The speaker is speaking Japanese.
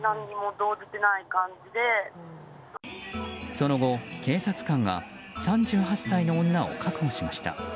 その後、警察官が３８歳の女を確保しました。